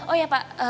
oh ya pak